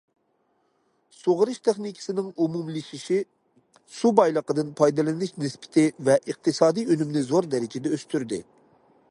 سۇغىرىش تېخنىكىسىنىڭ ئومۇملىشىشى سۇ بايلىقىدىن پايدىلىنىش نىسبىتى ۋە ئىقتىسادىي ئۈنۈمنى زور دەرىجىدە ئۆستۈردى.